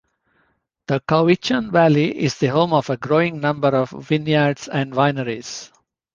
The Cowichan Valley is the home of a growing number of vineyards and wineries.